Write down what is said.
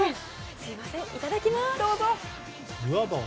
すみません、いただきます！